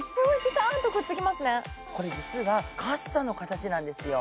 これ、実はカッサの形なんですよ。